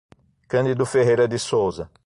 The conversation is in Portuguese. Candido Ferreira de Souza